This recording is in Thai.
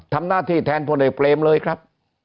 ทำหน้าที่แทนพลเอกเปรมเลยครับ